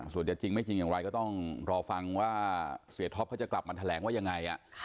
ส่วนจะจริงไม่จริงอย่างไรก็ต้องรอฟังว่าเสียท็อปเขาจะกลับมาแถลงว่ายังไง